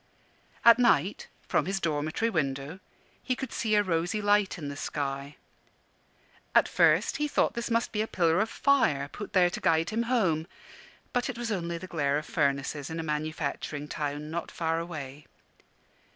At night, from his dormitory window, he could see a rosy light in the sky. At first he thought this must be a pillar of fire put there to guide him home; but it was only the glare of furnaces in a manufacturing town, not far away.